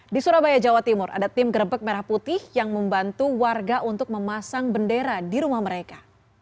di surabaya jawa timur ada tim gerebek merah putih yang membantu warga untuk memasang bendera di rumah mereka